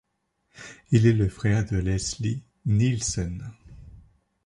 Il est le frère de Leslie Nielsen.